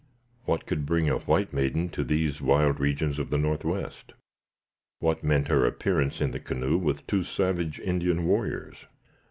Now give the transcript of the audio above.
What could bring a white maiden to these wild regions of the northwest? What meant her appearance in the canoe with two savage Indian warriors?